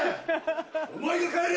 お前が帰れ！